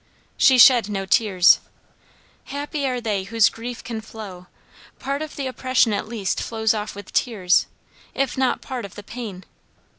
She shed no tears. Happy are they whose grief can flow; part of the oppression, at least, flows off with tears, if not part of the pain.